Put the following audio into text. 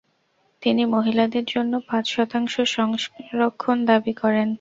তিনি মহিলাদের জন্য পাঁচ শতাংশ সংরক্ষণ দাবি করেন।